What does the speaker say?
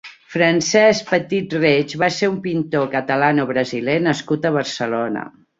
Francesc Petit Reig va ser un pintor catalano-brasiler nascut a Barcelona.